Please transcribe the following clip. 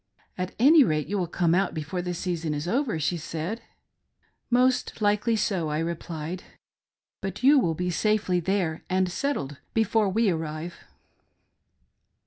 " At any rate you will come out before the season is over," she said. " Most likely so," I replied, " but you will be safely there and settled before we arrive."